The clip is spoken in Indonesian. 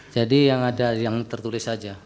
jadi yang ada yang tertulis saja